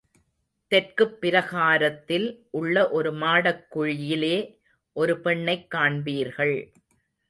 தெற்குப் பிரகாரத்தில் உள்ள ஒரு மாடக் குழியிலே ஒரு பெண்ணைக் காண்பீர்கள்.